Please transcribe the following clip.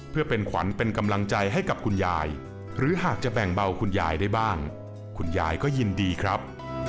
เพื่อเป็นขวัญเป็นกำลังใจให้กับคุณยายหรือหากจะแบ่งเบาคุณยายได้บ้างคุณยายก็ยินดีครับ